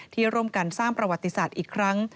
ที่ร่วมกันสร้างประวัติศาสตร์อีกครั้ง